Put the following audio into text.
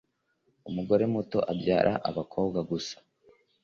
Umugore muto abyara abakobwa gusa